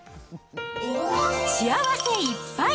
幸せいっぱい！